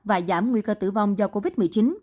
và giảm nguy cơ tử vong do covid một mươi chín